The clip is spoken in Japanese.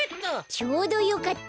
ちょうどよかった。